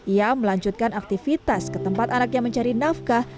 ia melanjutkan aktivitas ke tempat anaknya mencari nafkah